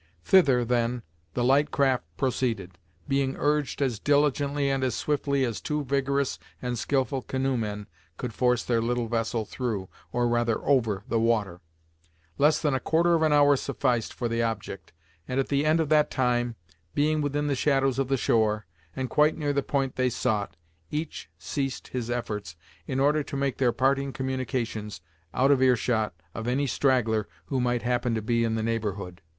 Thither, then, the light craft proceeded, being urged as diligently and as swiftly as two vigorous and skilful canoemen could force their little vessel through, or rather over, the water. Less than a quarter of an hour sufficed for the object, and, at the end of that time, being within the shadows of the shore, and quite near the point they sought, each ceased his efforts in order to make their parting communications out of earshot of any straggler who might happen to be in the neighborhood.